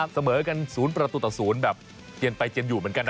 เสมอกันศูนย์ประตูต่อศูนย์แบบเย็นไปเย็นอยู่เหมือนกันนะ